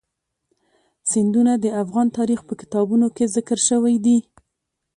سیندونه د افغان تاریخ په کتابونو کې ذکر شوی دي.